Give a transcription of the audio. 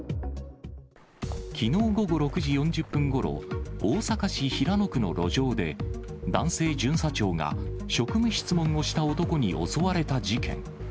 きのう午後６時４０分ごろ、大阪市平野区の路上で、男性巡査長が職務質問をした男に襲われた事件。